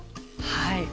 はい。